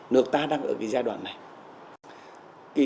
nước ta đang ở cái giai đoạn này